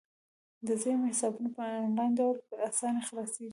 د زیرمې حسابونه په انلاین ډول په اسانۍ خلاصیږي.